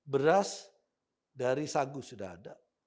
beras dari sagu sudah ada